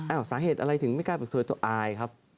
สาเหตุอะไรถึงไม่กล้าเปิดเผยตัวอายครับ